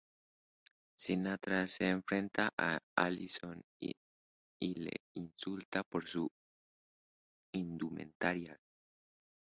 Sinatra se enfrenta a Ellison y le insulta por su indumentaria.